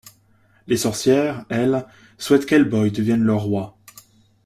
Les sorcières, elles, souhaitent qu'Hellboy devienne leur Roi.